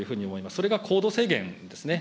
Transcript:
それが行動制限ですね。